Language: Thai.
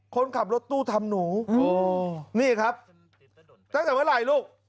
คนขับรถตู้ทำหนูนี่ครับตั้งแต่เมื่อไหร่ลูก